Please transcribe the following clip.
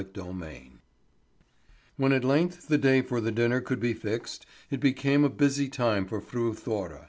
CHAPTER VIII WHEN at length the day for the dinner could be fixed, it became a busy time for Fru Thora.